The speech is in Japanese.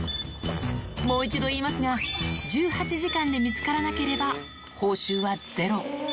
もう一度言いますが、１８時間で見つからなければ、報酬はゼロ。